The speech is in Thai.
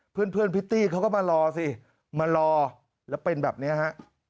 เพื่อนพิตตี้เขาก็มารอสิมารอแล้วเป็นแบบนี้ฮะ